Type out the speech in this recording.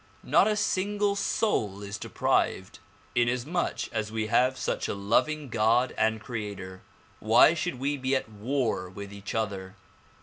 Not a single soul is deprived. Inasmuch as we have such a loving God and creator why should we be at war with each other